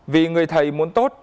vì người thầy muốn tốt